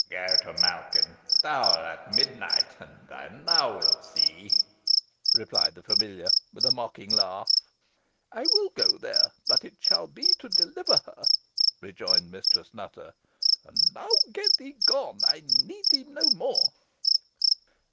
"Go to Malkin Tower at midnight, and thou wilt see," replied the familiar, with a mocking laugh. "I will go there, but it shall be to deliver her," rejoined Mistress Nutter. "And now get thee gone! I need thee no more."